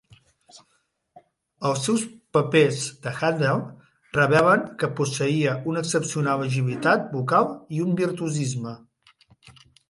Els seus papers de Handel revelen que posseïa una excepcional agilitat vocal i virtuosisme.